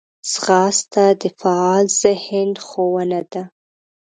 ځغاسته د فعال ذهن ښوونه ده